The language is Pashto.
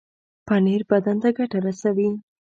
پنېر بدن ته ګټه رسوي.